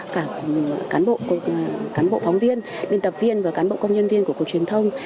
cả cán bộ phóng viên biên tập viên và cán bộ công nhân viên của cuộc truyền thông